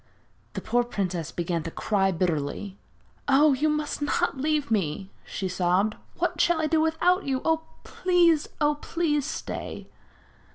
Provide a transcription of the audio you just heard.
The poor princess began to cry bitterly. 'Oh! you must not leave me!' she sobbed. 'What shall I do without you? Please, oh! please stay.'